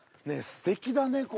すてきだねここ。